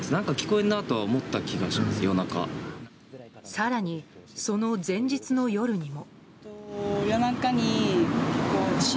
更に、その前日の夜にも。